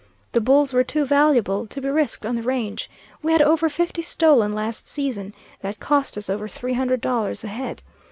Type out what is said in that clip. The bulls were too valuable to be risked on the range. We had over fifty stolen last season, that cost us over three hundred dollars a head.